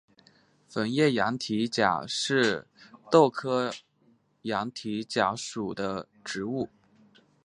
粉叶羊蹄甲是豆科羊蹄甲属的植物。